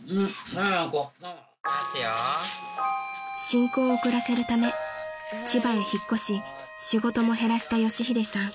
［進行を遅らせるため千葉へ引っ越し仕事も減らした佳秀さん］